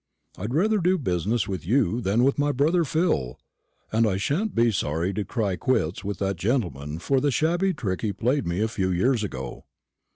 I'd rather do business with you than with my brother Phil; and I shan't be sorry to cry quits with that gentleman for the shabby trick he played me a few years ago."